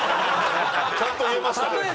ちゃんと言えましたね。